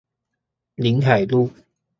臨海路